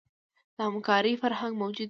د همکارۍ فرهنګ موجود وي.